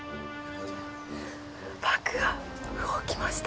バクが動きました